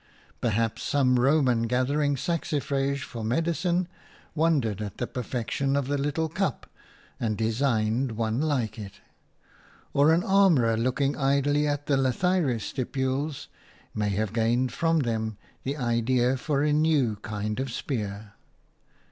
Perhaps some Roman, gathering saxifrage for medicine, wondered at the perfection of the little cup, and designed one like it. Or an armourer, looking idly at the lathyrus stipules, may have gained from them the idea for a new kind of spear.